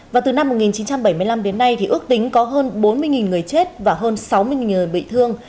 và từ năm một nghìn chín trăm bảy mươi năm đến nay thì ước tính có hơn bốn mươi người chết và hơn sáu mươi người bị thương